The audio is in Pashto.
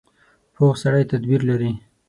پوخ سړی تدبیر لري